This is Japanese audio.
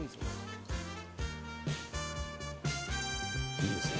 いいですね。